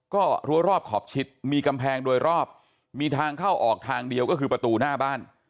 ก็รั้วรอบขอบชิดมีกำแพงโดยรอบมีทางเข้าออกทางเดียวก็คือประตูหน้าบ้าน